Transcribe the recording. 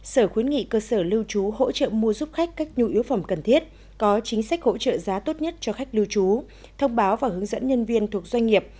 sở khuyến nghị cơ sở lưu trú hỗ trợ mua giúp khách các nhu yếu phẩm cần thiết có chính sách hỗ trợ giá tốt nhất cho khách lưu trú thông báo và hướng dẫn nhân viên thuộc doanh nghiệp